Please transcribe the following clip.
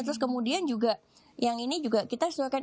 terus kemudian juga yang ini juga kita sesuaikan